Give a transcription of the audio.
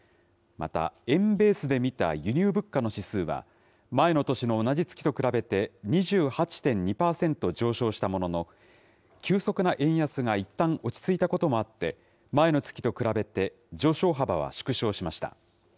また円ベースで見た輸入物価の指数は、前の年の同じ月と比べて２８．２％上昇したものの、急速な円安がいったん落ち着いたこともあって、前の月と比べて上昇幅は縮小しました。